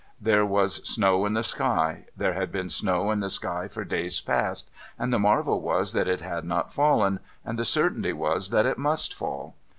There was snow in the sky. There had been snow in the sky for days past, and the marvel was that it had not fallen, and the certainty was that it must fall.